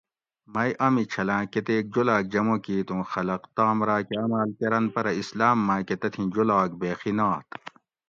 مئی امی چھلاۤں کۤتیک جولاۤگ جمع کیت اوں خلق تام راۤکہ عماۤل کۤرنت پرہ اسلام ماۤکہ تتھی جولاگ بیخی نات